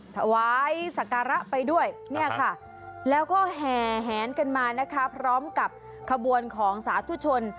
ถวายสการะไปด้วยแล้วก็แหงกันมาพร้อมกับขบวนของสาธุชน